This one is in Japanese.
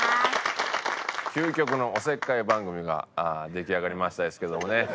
究極のお節介番組が出来上がりましたですけどもね。